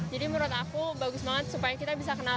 menurut aku bagus banget supaya kita bisa kenal